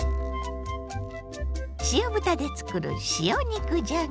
塩豚でつくる塩肉じゃが。